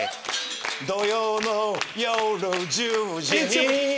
土曜の夜１０時に